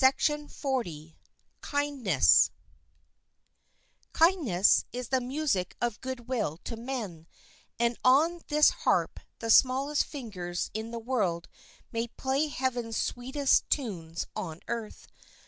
] Kindness is the music of good will to men, and on this harp the smallest fingers in the world may play heaven's sweetest tunes on earth.